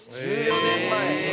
１４年前。